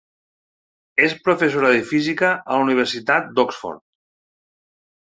És Professora de Física a la Universitat d'Oxford.